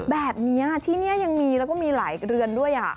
แบบนี้ที่นี่ยังมีแล้วก็มีหลายเรือนด้วย